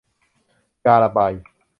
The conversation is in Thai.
ยาระบาย